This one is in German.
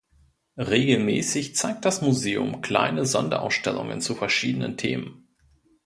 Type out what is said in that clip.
Regelmäßig zeigt das Museum kleine Sonderausstellungen zu verschiedenen Themen.